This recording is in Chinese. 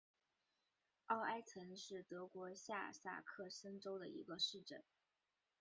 奥埃岑是德国下萨克森州的一个市镇。